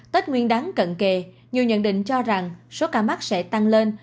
tết nguyên đáng cận kề nhiều nhận định cho rằng số ca mắc sẽ tăng lên